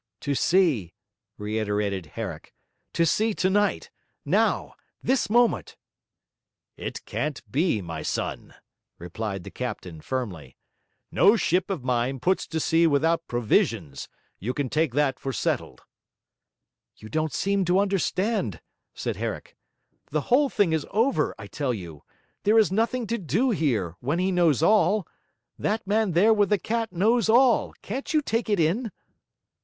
'To sea,' reiterated Herrick, 'to sea tonight now this moment!' 'It can't be, my son,' replied the captain firmly. 'No ship of mine puts to sea without provisions, you can take that for settled.' 'You don't seem to understand,' said Herrick. 'The whole thing is over, I tell you. There is nothing to do here, when he knows all. That man there with the cat knows all; can't you take it in?'